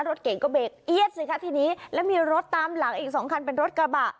รถเก่งก็เบรกเอี๊ยดสิคะทีนี้แล้วมีรถตามหลังอีกสองคันเป็นรถกระบะ